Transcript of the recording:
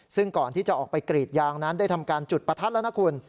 ซึ่งก่อนที่จะออกไปกรีดยางนั้นได้ทำการจุดประทัดแล้วนะคุณ